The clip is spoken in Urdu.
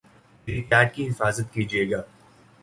میری چیٹ کی حفاظت کیجئے گا